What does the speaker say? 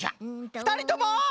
ふたりとも！